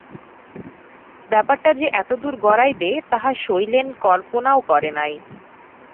ব্যাপারটা যে এতদূর গড়াইবে তাহা শৈলেন কল্পনাও করে নাই।